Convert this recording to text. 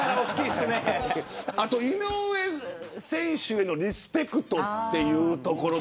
あと井上選手へのリスペクトというところ。